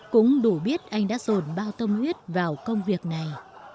cũng đủ biết anh đã dồn bao tâm huyết vào công việc này